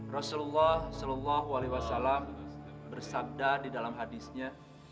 rasulullah saw bersakda di dalam hadisnya